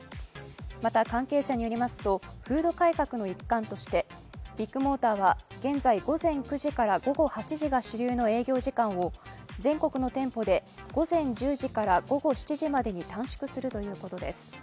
また関係者によりますと風土改革の一環としてビッグモーターは現在午前９時から午後８時が主流の営業時間を全国の店舗で午前１０時から午後７時までに短縮するということです。